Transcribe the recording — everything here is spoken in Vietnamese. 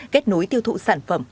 kết nối tiêu thụ sản phẩm